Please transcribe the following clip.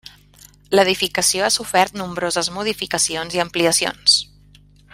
L'edificació ha sofert nombroses modificacions i ampliacions.